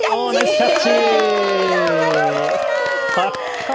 キャッチ！